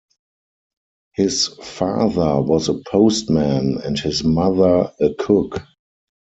His father was a postman and his mother a cook.